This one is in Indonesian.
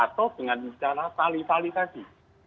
atau dengan cara tali tali tadi